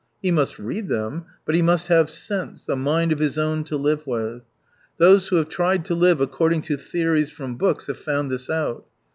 He must read them, but he must have sense, a mind of his own to live with. Those who have tried to live according to theories from books have found this out.